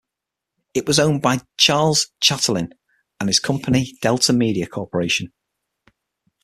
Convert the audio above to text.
It was owned by Charles Chatelain and his company, Delta Media Corporation.